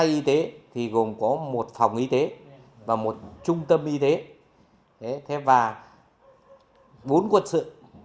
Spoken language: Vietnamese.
hai y tế thì gồm có một phòng y tế và một trung tâm y tế và bốn quân sự